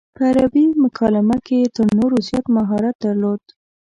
په عربي مکالمه کې یې تر نورو زیات مهارت درلود.